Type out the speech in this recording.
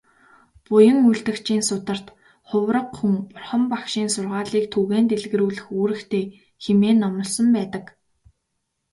Буян үйлдэгчийн сударт "Хувраг хүн Бурхан багшийн сургаалыг түгээн дэлгэрүүлэх үүрэгтэй" хэмээн номлосон байдаг.